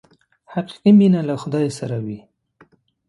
حقیقي مینه له خدای سره وي.